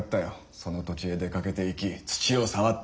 その土地へ出掛けて行き「土を触って！